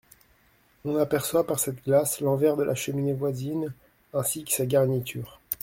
On aperçoit, par cette glace, l'envers de la cheminée voisine ainsi que sa garniture.